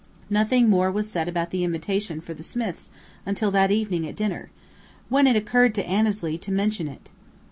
Nothing more was said about the invitation for the Smiths until that evening at dinner, when it occurred to Annesley to mention it.